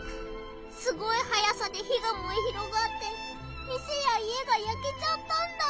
すごいはやさで火がもえ広がって店や家がやけちゃったんだって。